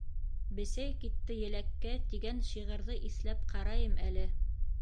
«Бесәй китте еләккә...» тигән шиғырҙы иҫләп ҡарайым әле.